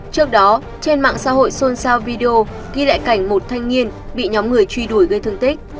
trước đó trên mạng xã hội xôn xao video ghi lại cảnh một thanh niên bị nhóm người truy đuổi gây thương tích